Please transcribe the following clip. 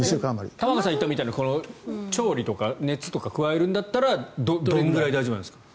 玉川さんが言ったみたいに調理とか加熱とか加えるならどれくらい大丈夫なんですか。